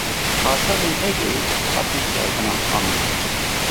Karsazên Egeyî, hatin serdana Amedê